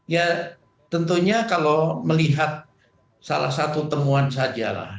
ya tentunya kalau melihat salah satu temuan sajalah